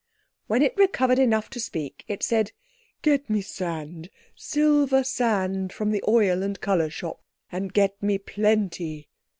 When it recovered enough to speak, it said— "Get me sand; silver sand from the oil and colour shop. And get me plenty."